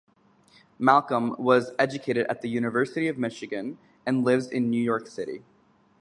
Malcolm was educated at the University of Michigan and lives in New York City.